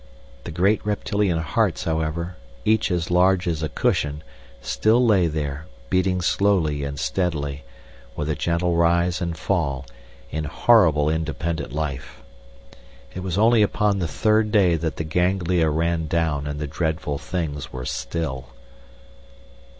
The great reptilian hearts, however, each as large as a cushion, still lay there, beating slowly and steadily, with a gentle rise and fall, in horrible independent life. It was only upon the third day that the ganglia ran down and the dreadful things were still.